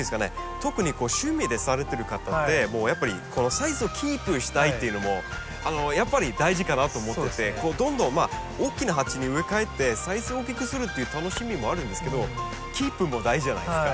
特に趣味でされてる方ってやっぱりこのサイズをキープしたいっていうのもやっぱり大事かなと思っててどんどん大きな鉢に植え替えてサイズを大きくするっていう楽しみもあるんですけどキープも大事じゃないですか。